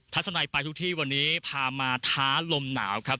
ทัศนัยไปทุกที่วันนี้พามาท้าลมหนาวครับ